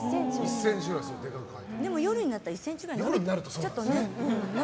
でも、夜になったら１ｃｍくらいね。